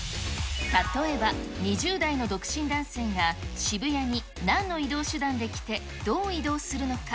例えば、２０代の独身男性が渋谷になんの移動手段で来て、どう移動するのか。